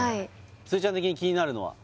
すずちゃん的に気になるのは？